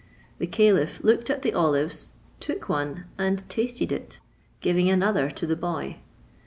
The caliph looked at the olives, took one and tasted it, giving another to the boy.